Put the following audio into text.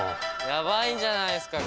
やばいんじゃないですか？